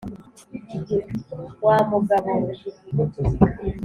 wa mugabo we.